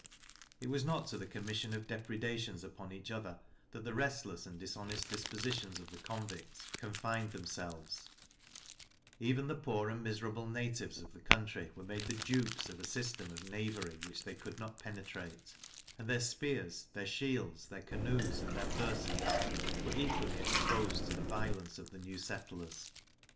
It was not to the commission of depredations upon each other that the restless and dishonest dispositions of the convicts confined themselves, even the poor and miserable natives of the country were made the dupes of a system of knavery which they could not penetrate; and their spears, their shields, their canoes, and their persons, were equally exposed to the violence of the new settlers.